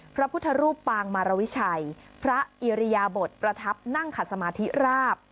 พระพุทธรูปปางมารวิชัยพระอิริยบทประทับนั่งขัดสมาธิราบ